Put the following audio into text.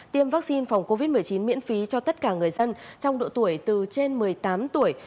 tiêm vaccine phòng covid một mươi chín miễn phí cho tất cả người dân trong độ tuổi từ trên một mươi tám tuổi